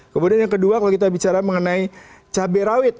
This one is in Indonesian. kemudian yang kedua kalau kita bicara mengenai cabai rawit